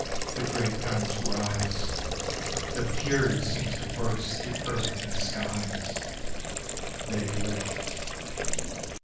The great guns rise; Their fury seems to burst the earth and skies! They lift.